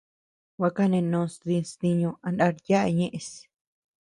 Gua kanenos dis ntiñu a ndar yaʼa ñeʼes.